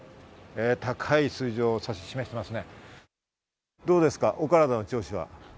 高い数字を指し示していますね。